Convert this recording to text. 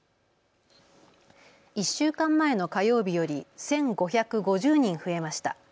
１週間前の火曜日より１５５０人増えました。